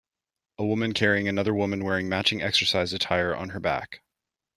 A woman carrying another woman wearing matching exercise attire on her back.